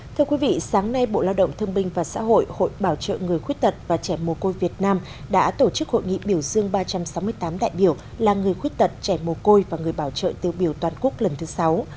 thưa quý vị sáng nay bộ lao động thương binh và xã hội hội bảo trợ người khuyết tật và trẻ mồ côi việt nam đã tổ chức hội nghị biểu dương ba trăm sáu mươi tám đại biểu là người khuyết tật trẻ mồ côi và người bảo trợ tiêu biểu toàn quốc lần thứ sáu